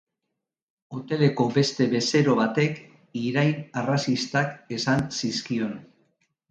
Hoteleko beste bezero batek irain arrazistak esan zizkion.